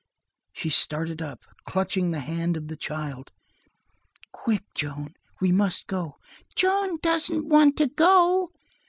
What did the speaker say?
She started up, clutching the hand of the child. "Quick, Joan, we must go!" "Joan doesn't want to go!"